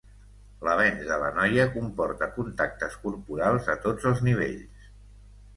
L'avenç de la noia comporta contactes corporals a tots nivells.